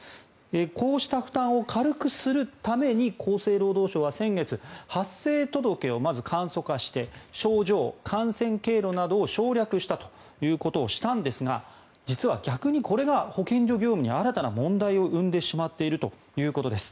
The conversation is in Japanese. こうした負担を軽くするために厚生労働省は先月、発生届をまず簡素化して症状・感染経路などを省略したということをしたんですが実は逆にこれが保健所業務に新たな負担を生じさせてしまっているということです。